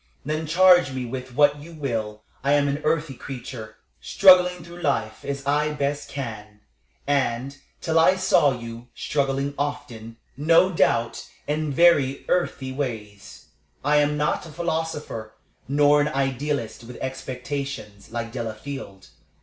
Then charge me with what you will. I am an earthy creature, struggling through life as I best can, and, till I saw you, struggling often, no doubt, in very earthy ways. I am not a philosopher, nor an idealist, with expectations, like Delafield.